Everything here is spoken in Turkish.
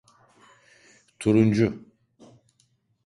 Turuncu…